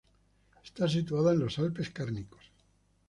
Está situada en los Alpes Cárnicos.